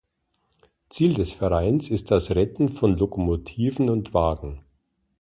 Ziel des Vereins ist das Retten von Lokomotiven und Wagen.